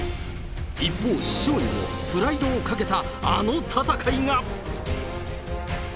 一方、師匠にもプライドをかけた、あの戦いが！